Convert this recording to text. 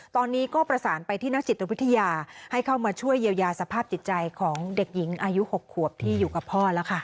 ตอนนี้ก็ประสานไปที่นักจิตวิทยาให้เข้ามาช่วยเยียวยาสภาพจิตใจของเด็กหญิงอายุ๖ขวบที่อยู่กับพ่อแล้วค่ะ